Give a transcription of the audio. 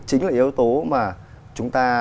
chính là yếu tố mà chúng ta